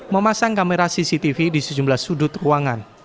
memasang kamera cctv di sejumlah sudut ruangan